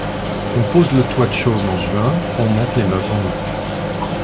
On pose le toit de chaume en juin, on monte les meubles en août.